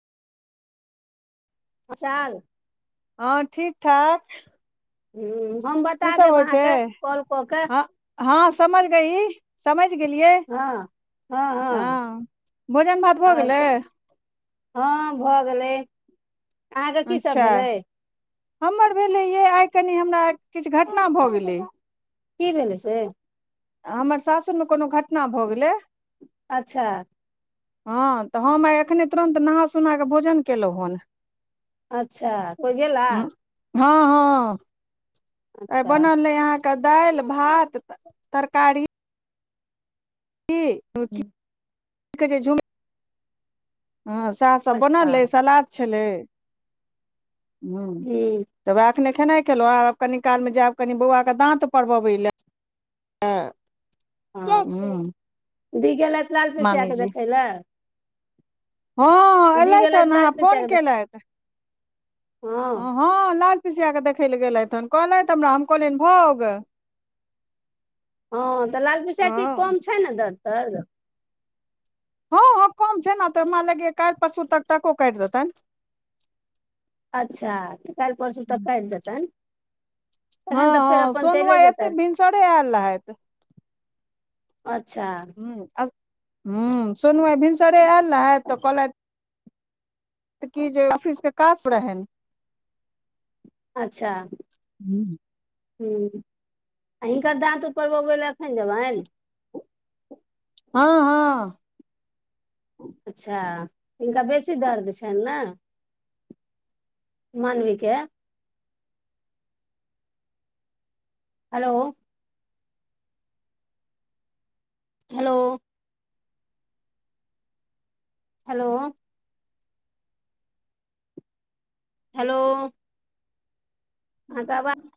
अचाल हँ ठीक ठाक। हम्म हम की बता सब देब होइ छै अहाँके, कॉल कऽ के। हँ हँ बुइझ गेलौ। समझ गेलियै, हँ हँ हँ अँ भोजन भात भऽ आओर गेलै। से- हँ भऽ गेलै। अहाँके की सब अच्छा भेलै हमर भेलैयैं आइ कनि हमरा किछु घटना भऽ गेलै। की भेलै से। हमर सासुरमे कोनो घटना भऽ गेलै। अच्छा हँ त हम आइ एखने तुरन्त नहा-सुना कऽ भोजन केलहुँ हन। अच्छा कोइ गेला [unintelligible] हँ- हँ आइ अच्छा बनल अय अहाँ क दालि,, भात, तरकारी। की हूँ, [unintelligible] [unintelligible] हँ सैह सब अच्छा बनल अय सलाद छलै। हम्म हूँ त वैह अखने खेनाइ खेलहुँए आब कनि कालमे जायब कनि बौआके दाँत उपरवबै लए। हँ हूँ दि गेलथि लाल पिसिया के मामीजी देखै लऽ। हँ दी एलैथ न गेलथि लाल अहाँ पिसिया फोन के देख केलथि। हँ हं-हँऽ लाल पिसिया कऽ देखय लए गेलथि हन, कहलथि हमरा हम कहलियनि भ आउ ग। हँ त लाल पीसिया की हँ कम छै न दर्द-तर्द हँ-हँ कम छैन आब त हमरा लगैय काल्हि परसू तक टाकों काटि देतैन। अच्छा त काल्ह परसू तक काटि देतनि। तखन तऽ फेर हँ-हँ अपन सोनु चलि आय एतै जेतैन भीनसड़े आयल रहैत। अच्छा। हम्म अस हम्म सोनु आय भिनसरे आयल रहैत त कहलैथ तऽ की जे ऑफिस के काँस्व रहैन अच्छा हम्म आ हिनकर दाँत उपरबबै लै एखन जेबनि हँ-हँ अच्छा हिनका बेसी दर्द छनि ने मानवि के अलो हेलो हेलो देखियौ हेलोऽ अहांके आवा